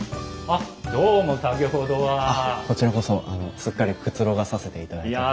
あっこちらこそすっかりくつろがさせていただいてます。